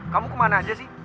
kamu kemana aja sih